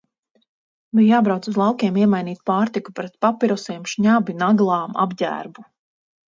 Bija jābrauc uz laukiem iemainīt pārtiku pret papirosiem, šņabi, naglām, apģērbu.